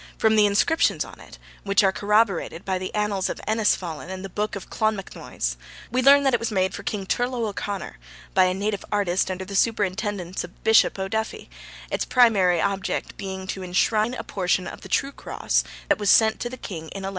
From the inscriptions on it, which are corroborated by the annals of Innisfallen and the book of Clonmacnoise, we learn that it was made for King Turlough O'Connor by a native artist under the superintendence of Bishop O'Duffy, its primary object being to enshrine a portion of the true cross that was sent to the king in 1123.